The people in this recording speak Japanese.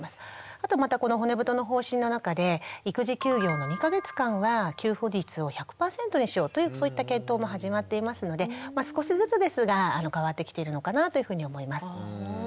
あとまたこの骨太の方針の中で育児休業の２か月間は給付率を１００％にしようというそういった検討も始まっていますので少しずつですが変わってきているのかなというふうに思います。